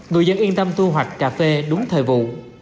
người dân yên tâm thu hoạch cà phê đúng thời vụ